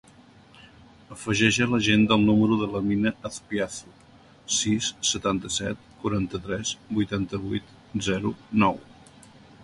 Afegeix a l'agenda el número de l'Amina Azpiazu: sis, setanta-set, quaranta-tres, vuitanta-vuit, zero, nou.